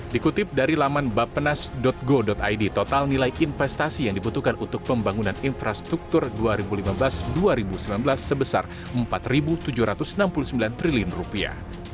dikutip dari laman bapenas go id total nilai investasi yang dibutuhkan untuk pembangunan infrastruktur dua ribu lima belas dua ribu sembilan belas sebesar empat tujuh ratus enam puluh sembilan triliun rupiah